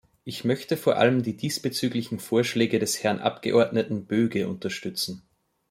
Ich möchte vor allem die diesbezüglichen Vorschläge des Herrn Abgeordneten Böge unterstützen.